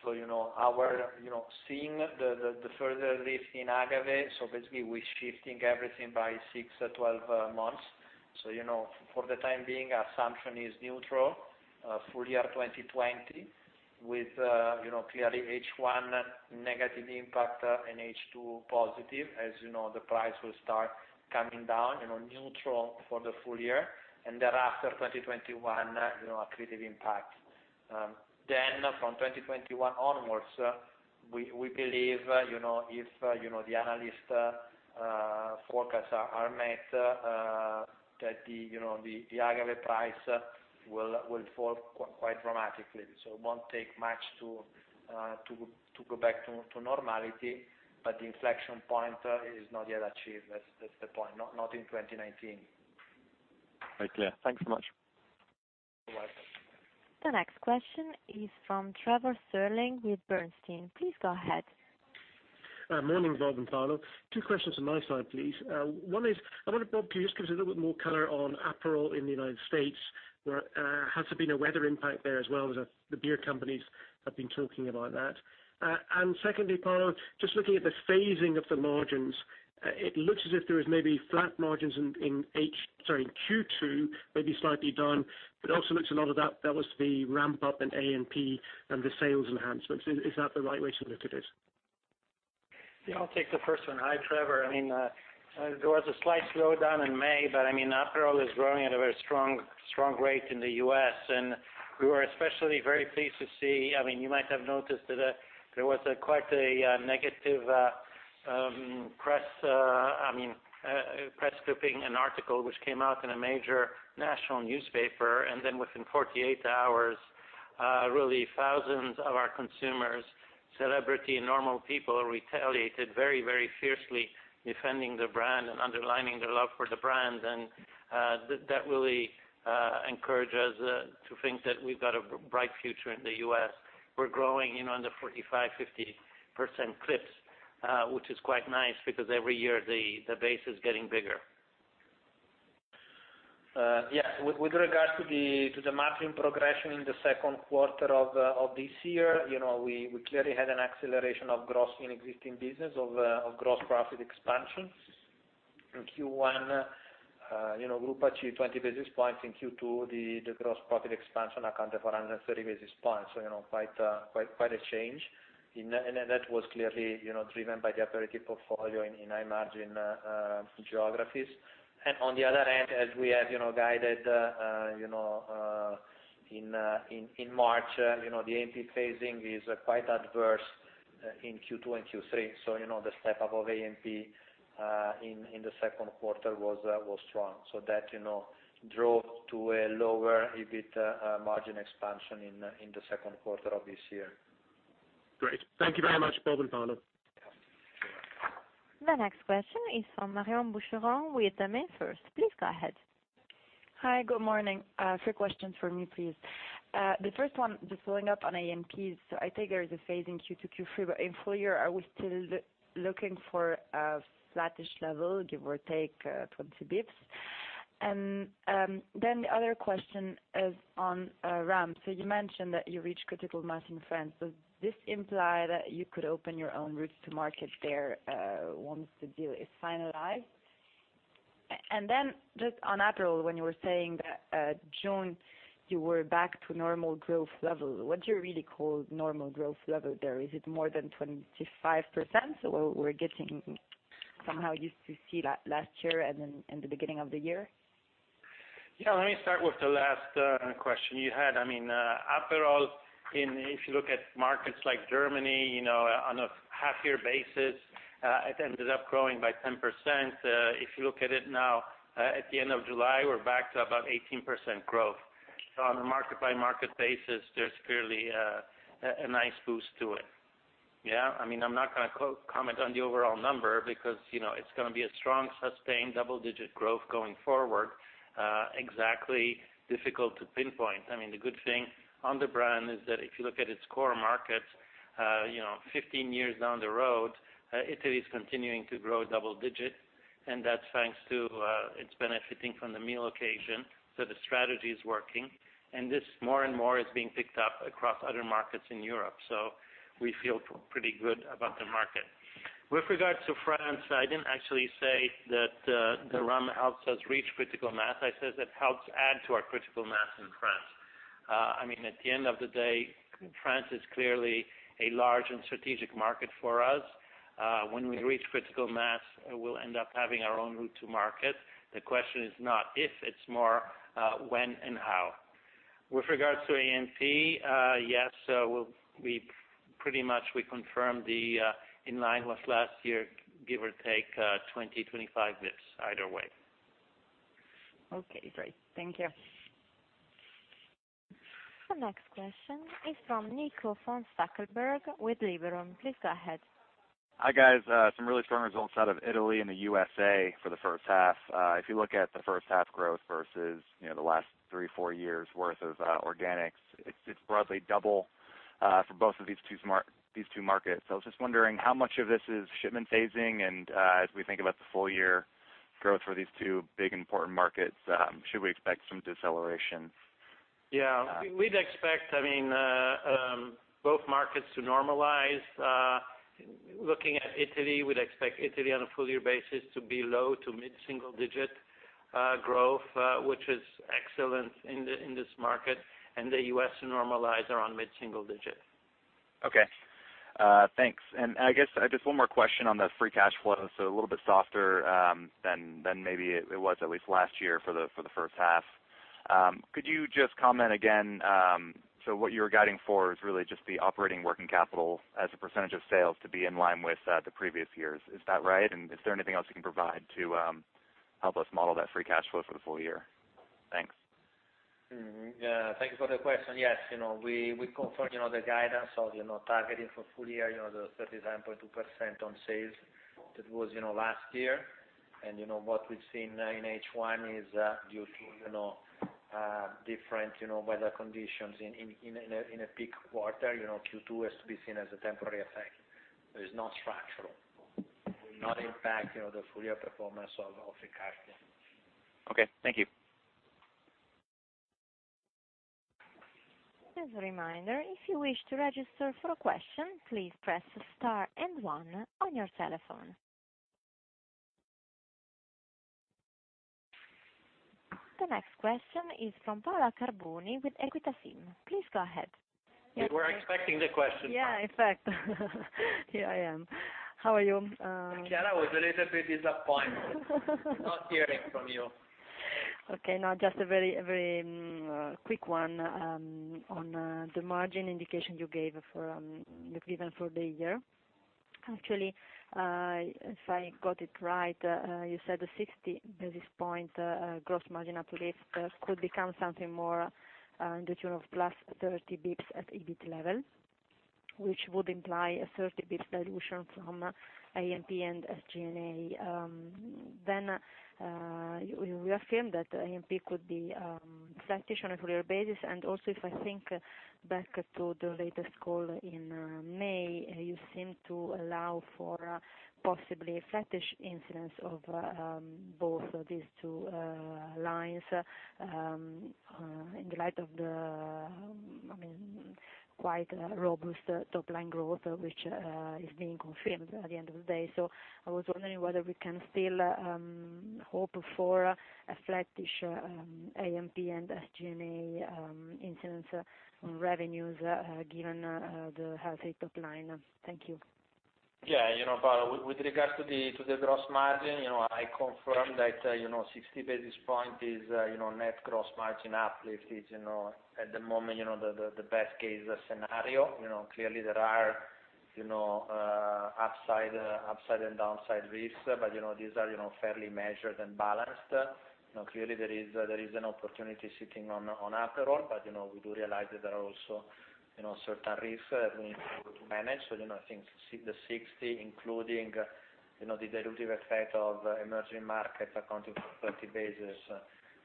Seeing the further lift in agave, basically we're shifting everything by six to 12 months. For the time being, assumption is neutral, full year 2020, with clearly H1 negative impact and H2 positive, as the price will start coming down, neutral for the full year, and thereafter 2021, accretive impact. From 2021 onwards, we believe, if the analyst forecasts are met, that the agave price will fall quite dramatically. It won't take much to go back to normality, but the inflection point is not yet achieved. That's the point. Not in 2019. Very clear. Thanks so much. You're welcome. The next question is from Trevor Stirling with Bernstein. Please go ahead. Morning, Bob and Paolo. Two questions on my side, please. One is, I wonder, Bob, can you just give us a little bit more color on Aperol in the U.S., where has there been a weather impact there as well, the beer companies have been talking about that. Secondly, Paolo, just looking at the phasing of the margins, it looks as if there is maybe flat margins in Q2, maybe slightly down, but also looks a lot of that was the ramp-up in A&P and the sales enhancements. Is that the right way to look at it? Yeah, I'll take the first one. Hi, Trevor. There was a slight slowdown in May. Aperol is growing at a very strong rate in the U.S., and we were especially very pleased to see, you might have noticed that there was quite a negative press clipping, an article which came out in a major national newspaper, and then within 48 hours, really thousands of our consumers, celebrity and normal people, retaliated very, very fiercely, defending the brand and underlining their love for the brand. That really encouraged us to think that we've got a bright future in the U.S. We're growing in under 45%-50% clips, which is quite nice because every year the base is getting bigger. With regards to the margin progression in the second quarter of this year, we clearly had an acceleration of growth in existing business of gross profit expansions. In Q1, the group achieved 20 basis points. In Q2, the gross profit expansion accounted for 130 basis points. Quite a change, and that was clearly driven by the operating portfolio in high-margin geographies. On the other end, as we have guided in March, the A&P phasing is quite adverse in Q2 and Q3, so the step up of A&P in the second quarter was strong. That drove to a lower EBIT margin expansion in the second quarter of this year. Great. Thank you very much, Bob and Paolo. You're welcome. The next question is from Marion Boucheron with MainFirst. Please go ahead. Hi. Good morning. Three questions from me, please. The first one, just following up on A&P, I take there is a phase in Q2, Q3, but in full year, are we still looking for a flattish level, give or take 20 basis points? The other question is on rum. You mentioned that you reached critical mass in France. Does this imply that you could open your own routes to market there once the deal is finalized? Just on Aperol, when you were saying that June, you were back to normal growth level, what do you really call normal growth level there? Is it more than 25%? What we're getting somehow used to see last year and then in the beginning of the year? Yeah, let me start with the last question you had. Aperol, if you look at markets like Germany, on a half-year basis, it ended up growing by 10%. If you look at it now, at the end of July, we're back to about 18% growth. On a market-by-market basis, there's clearly a nice boost to it. Yeah. I'm not going to comment on the overall number because it's going to be a strong, sustained double digit growth going forward. It's exactly difficult to pinpoint. The good thing on the brand is that if you look at its core markets, 15 years down the road, Italy is continuing to grow double digit, and that's thanks to, it's benefiting from the meal occasion. The strategy is working, and this more and more is being picked up across other markets in Europe. We feel pretty good about the market. With regards to France, I didn't actually say that the rum house has reached critical mass. I said it helps add to our critical mass in France. At the end of the day, France is clearly a large and strategic market for us. When we reach critical mass, we'll end up having our own route to market. The question is not if, it's more when and how. With regards to A&P, yes, pretty much we confirm the in line with last year, give or take 20 basis points, 25 basis points either way. Okay, great. Thank you. The next question is from Nico von Stackelberg with Liberum. Please go ahead. Hi, guys. Some really strong results out of Italy and the U.S.A. for the first half. If you look at the first half growth versus the last three, four years' worth of organics, it's roughly double for both of these two markets. I was just wondering how much of this is shipment phasing and as we think about the full year growth for these two big important markets, should we expect some deceleration? Yeah. We'd expect markets to normalize. Looking at Italy, we'd expect Italy on a full year basis to be low to mid-single digit growth, which is excellent in this market, and the U.S. to normalize around mid-single digits. Okay. Thanks. I guess just one more question on the free cash flow. A little bit softer than maybe it was at least last year for the first half. Could you just comment again? What you're guiding for is really just the operating working capital as a percentage of sales to be in line with the previous years. Is that right? Is there anything else you can provide to help us model that free cash flow for the full year? Thanks. Thank you for the question. Yes, we confirmed the guidance of targeting for full year, the 39.2% on sales that was last year. What we've seen in H1 is due to different weather conditions in a peak quarter. Q2 has to be seen as a temporary effect. It is not structural. It will not impact the full year performance of free cash flow. Okay, thank you. As a reminder, if you wish to register for a question, please press star and one on your telephone. The next question is from Paola Carboni with EQUITA SIM. Please go ahead. We were expecting the question. Yeah. In fact here I am. How are you? Chiara was a little bit disappointed not hearing from you. Okay. Just a very quick one on the margin indication you gave for the year. Actually, if I got it right, you said a 60 basis points gross margin uplift could become something more in the tune of +30 basis points at EBIT level, which would imply a 30 basis points dilution from A&P and SG&A. You affirmed that A&P could be flattish on a full year basis, and also if I think back to the latest call in May, you seemed to allow for possibly a flattish incidence of both of these two lines in light of the quite robust top line growth, which is being confirmed at the end of the day. I was wondering whether we can still hope for a flattish A&P and SG&A incidence on revenues, given the healthy top line? Thank you. Paola, with regards to the gross margin, I confirm that 60 basis points net gross margin uplift is at the moment the best case scenario. There are upside and downside risks, but these are fairly measured and balanced. There is an opportunity sitting on Aperol, but we do realize that there are also certain risks that we need to be able to manage. I think the 60 basis points, including the dilutive effect of Emerging Markets accounting for 30 basis points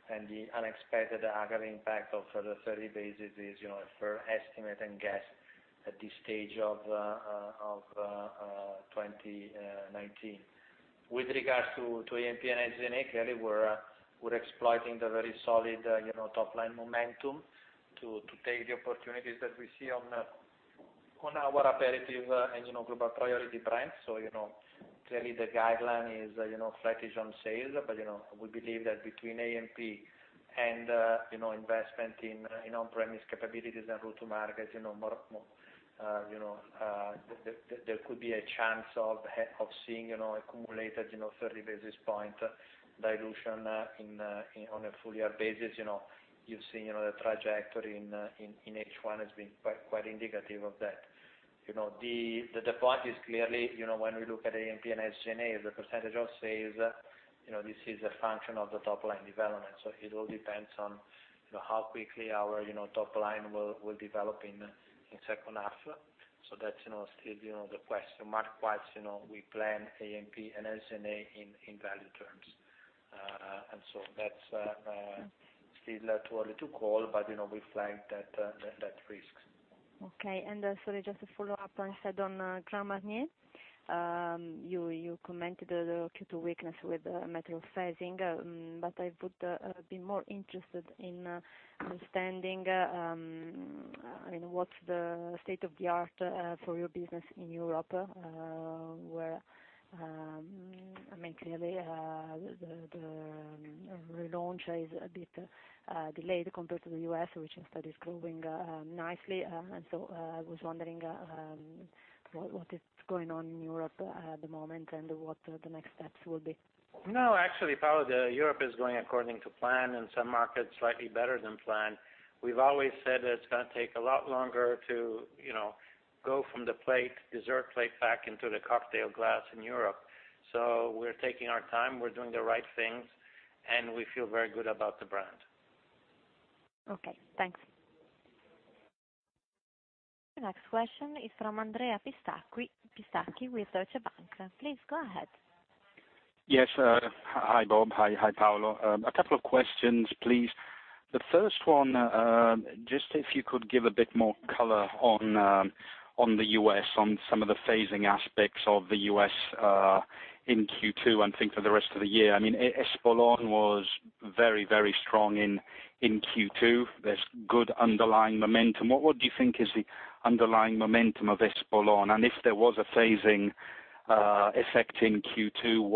and the unexpected agave impact of the 30 basis points is a fair estimate and guess at this stage of 2019. With regards to A&P and SG&A, we're exploiting the very solid top line momentum to take the opportunities that we see on our aperitif and Global Priority brands. Clearly the guideline is flattish on sales, but we believe that between A&P and investment in on-premise capabilities and go to market, there could be a chance of seeing accumulated 30 basis point dilution on a full year basis. You've seen the trajectory in H1 has been quite indicative of that. The point is clearly, when we look at A&P and SG&A as a percentage of sales, this is a function of the top line development. It all depends on how quickly our top line will develop in the second half. That's still the question mark, whilst we plan A&P and SG&A in value terms. That's still too early to call, but we flagged that risk. Okay. Sorry, just a follow-up on said on Grand Marnier. You commented the Q2 weakness with material phasing. I would be more interested in understanding what's the state of the art for your business in Europe, where, clearly the relaunch is a bit delayed compared to the U.S., which instead is growing nicely. I was wondering what is going on in Europe at the moment and what the next steps will be? No, actually, Paola, Europe is going according to plan, and some markets slightly better than planned. We've always said that it's going to take a lot longer to go from the dessert plate back into the cocktail glass in Europe. We're taking our time, we're doing the right things, and we feel very good about the brand. Okay, thanks. The next question is from Andrea Pistacchi with Deutsche Bank. Please go ahead. Yes. Hi, Bob. Hi, Paolo. A couple of questions, please. The first one, just if you could give a bit more color on the U.S., on some of the phasing aspects of the U.S. in Q2 and think for the rest of the year. Espolòn was very strong in Q2. There's good underlying momentum. What do you think is the underlying momentum of Espolòn? If there was a phasing affecting Q2.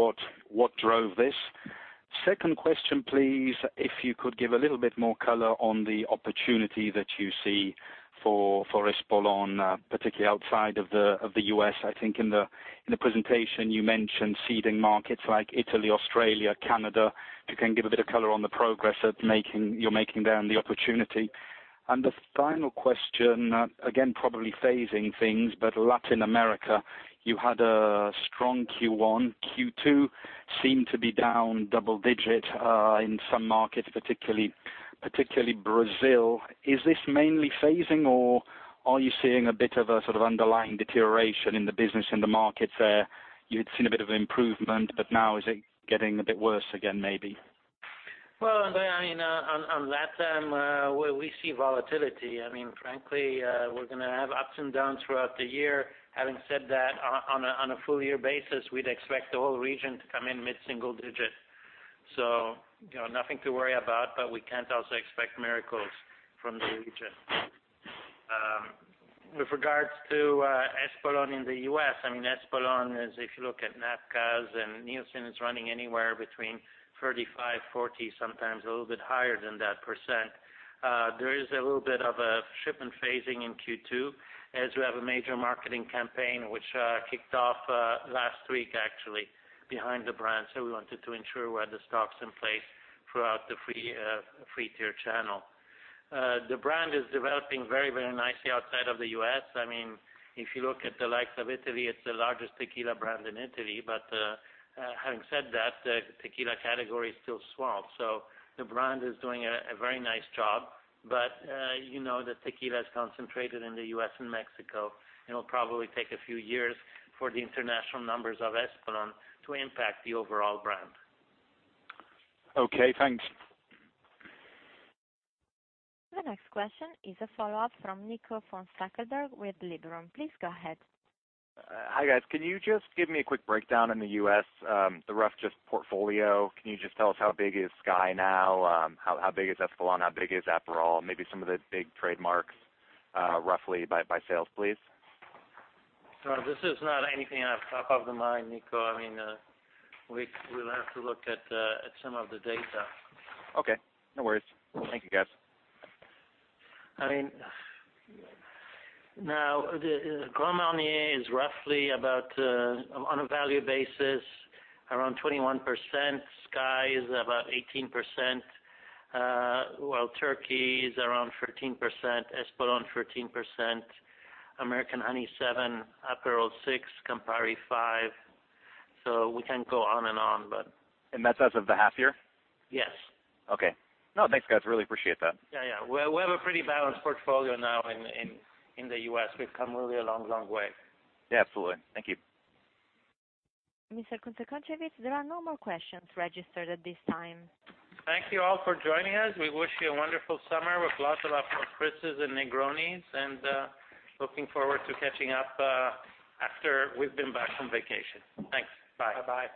What drove this? Second question, please. If you could give a little bit more color on the opportunity that you see for Espolòn, particularly outside of the U.S. I think in the presentation you mentioned seeding markets like Italy, Australia, Canada. If you can give a bit of color on the progress that you're making there and the opportunity. The final question, again, probably phasing things, but Latin America, you had a strong Q1. Q2 seemed to be down double digit, in some markets particularly Brazil. Is this mainly phasing or are you seeing a bit of a sort of underlying deterioration in the business in the markets there? You had seen a bit of improvement, now is it getting a bit worse again, maybe? Well, Andrea, on LatAm, well we see volatility. Frankly, we're going to have ups and downs throughout the year. Having said that, on a full year basis, we'd expect the whole region to come in mid-single digit. Nothing to worry about, but we can't also expect miracles from the region. With regards to Espolòn in the U.S., Espolòn is, if you look at NABCA and Nielsen, is running anywhere between 35%, 40%, sometimes a little bit higher than that percent. There is a little bit of a shipment phasing in Q2 as we have a major marketing campaign, which kicked off last week actually behind the brand. We wanted to ensure we had the stocks in place throughout the three-tier channel. The brand is developing very, very nicely outside of the U.S. If you look at the likes of Italy, it's the largest tequila brand in Italy. Having said that, the tequila category is still small. The brand is doing a very nice job. You know that tequila is concentrated in the U.S. and Mexico, and it'll probably take a few years for the international numbers of Espolòn to impact the overall brand. Okay, thanks. The next question is a follow-up from Nico von Stackelberg with Liberum. Please go ahead. Hi, guys. Can you just give me a quick breakdown in the U.S., the rough just portfolio? Can you just tell us how big is SKYY now? How big is Espolòn? How big is Aperol? Maybe some of the big trademarks, roughly by sales, please? This is not anything off top of the mind, Nico. We'll have to look at some of the data. Okay, no worries. Thank you, guys. Grand Marnier is roughly about, on a value basis, around 21%. SKYY is about 18%, Wild Turkey is around 13%, Espolòn 13%, American Honey seven%, Aperol six%, Campari five%. We can go on and on. That's as of the half year? Yes. Okay. No, thanks, guys. Really appreciate that. Yeah. We have a pretty balanced portfolio now in the U.S. We've come really a long, long way. Yeah, absolutely. Thank you. Mr. Kunze-Concewitz, there are no more questions registered at this time. Thank you all for joining us. We wish you a wonderful summer with lots of Aperol Spritzes and Negronis, looking forward to catching up after we've been back from vacation. Thanks. Bye. Bye-bye.